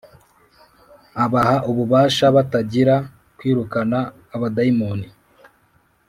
Abaha ububasha batagira kwirukana abadayimoni